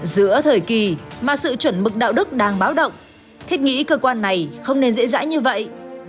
giữa thời kỳ mà sự chuẩn mực đạo đức đang báo động thiết nghĩ cơ quan này không nên dễ dãi như vậy